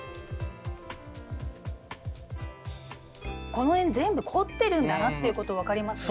この辺全部凝ってるんだなっていうこと分かりますね。